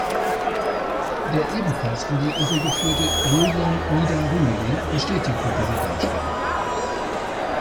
Der ebenfalls in die Irre geführte Julian Nida-Rümelin bestätigte diese Darstellung.